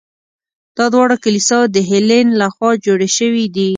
دا دواړه کلیساوې د هیلن له خوا جوړې شوي دي.